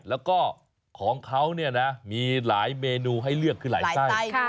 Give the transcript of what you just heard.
แล้วก็ของเขาเนี่ยนะมีหลายเมนูให้เลือกคือหลายไส้